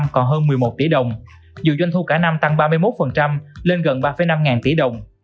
còn hơn một mươi một tỷ đồng dù doanh thu cả năm tăng ba mươi một lên gần ba năm ngàn tỷ đồng